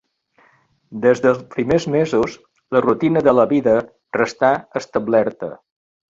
Des dels primers mesos la rutina de la vida restà establerta.